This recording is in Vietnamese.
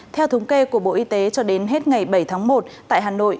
theo thống kê của bộ y tế cho đến hết ngày bảy tháng một tại hà nội